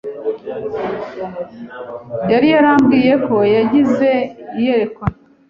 yari yarambwiye ko yagize iyerekwa